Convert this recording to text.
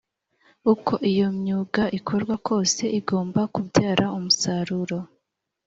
uko iyo myuga ikorwa kose igomba kubyara umusaruro